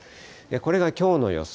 これがきょうの予想。